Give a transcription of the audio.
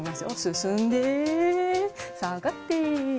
進んで下がって。